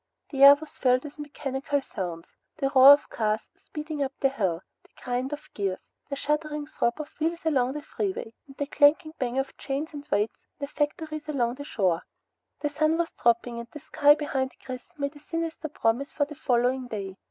The air was filled with mechanical sounds the roar of cars speeding up the hill, the grind of gears, the shuddering throb of wheels along the freeway, and the clanking bang of chains and weights in the factories along the shore. The sun was dropping, and the sky behind Chris made a sinister promise for the following day.